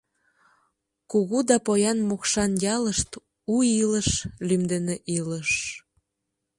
Кугу да поян Мокшан ялышт «У илыш» лӱм дене илыш.